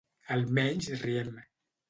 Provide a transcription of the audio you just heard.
Almenys riem.